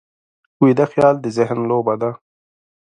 ویده خیال د ذهن لوبه ده